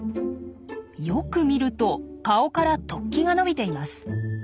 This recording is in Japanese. よく見ると顔から突起が伸びています。